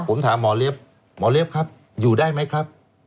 ผมถามหมอเล็บหมอเล็บครับอยู่ได้ไหมครับ